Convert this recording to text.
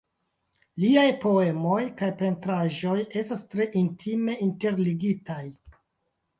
Liaj poemoj kaj pentraĵoj estas tre intime interligitaj.